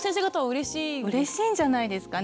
うれしいんじゃないですかね。